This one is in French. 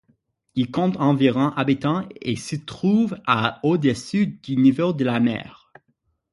Il compte environ habitants et se trouve à au-dessus du niveau de la mer.